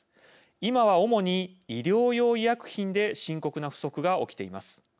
今は主に医療用医薬品で深刻な不足が起きています。